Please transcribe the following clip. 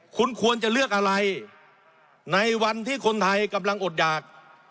คุณควรจะเลือกอะไรในวันที่คนไทยกำลังอดหยาก